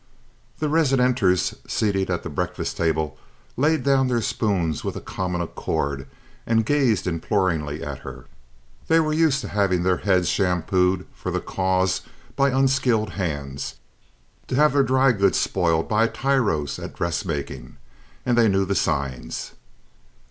The residenters seated at the breakfast table laid down their spoons with a common accord and gazed imploringly at her. They were used to having their heads shampooed for the cause by unskilled hands, to have their dry goods spoiled by tyros at dressmaking, and they knew the signs.